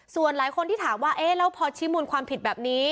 ส่วนหลายคนที่ถามว่าเอ๊ะแล้วพอชี้มูลความผิดแบบนี้